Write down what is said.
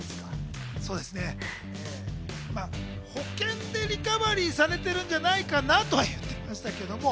保険でリカバリーされてるんじゃないかなということでしたけれども。